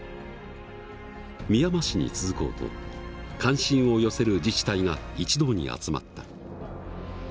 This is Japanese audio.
みやま市に続こうと関心を寄せる自治体が一堂に集まった。